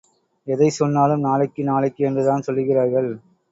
எதைச் சொன்னாலும் நாளைக்கு நாளைக்கு என்றுதான் சொல்லுகிறார்கள்.